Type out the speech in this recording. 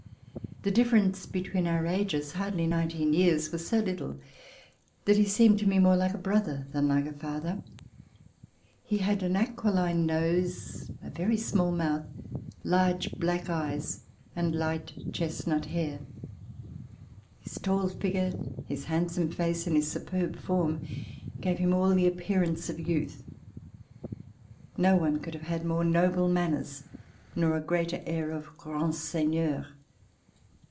The difference between our ages, hardly nineteen years, was so little, that he seemed to me more like a brother than like a father. He had an aquiline nose, a very small mouth, large black eyes and light chest nut hair. His tall figure, his handsome face and his superb form gave him all the appearance of youth. No one could have had more noble manners, nor a greater air of grand seigneur.